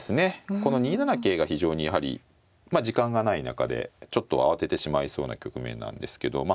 この２七桂が非常にやはり時間がない中でちょっと慌ててしまいそうな局面なんですけどま